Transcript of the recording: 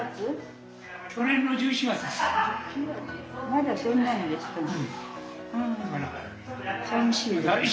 まだそんなにですかね。